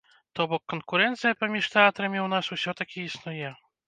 То бок, канкурэнцыя паміж тэатрамі ў нас усё-такі існуе?